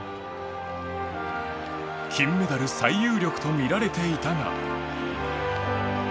金メダル最有力と見られていたが。